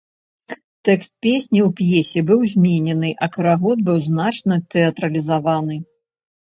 Тэкст песні у п'есе быў зменены, а карагод быў значна тэатралізаваны.